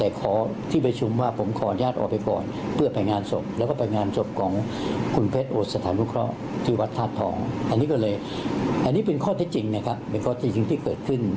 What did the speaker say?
อันนี้เป็นข้อเท็จจริงนะครับเป็นข้อเท็จจริงที่เกิดขึ้น